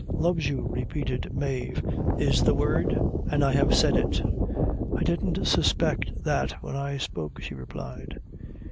"Loves you," repeated Mave, "is the word, an I have said it." "I didn't suspect that when I spoke," she replied.